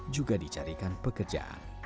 juga dicarikan pekerjaan